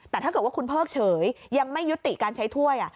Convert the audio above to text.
แต่ถ้าเกิดว่าคุณเพิกเฉยยังไม่ยุติการใช้ถ้วย